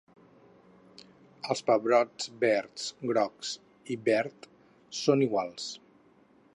Els pebrots verds, grocs i verd són iguals.